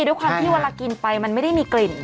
ด้วยความที่เวลากินไปมันไม่ได้มีกลิ่น